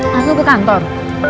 masuk ke kantor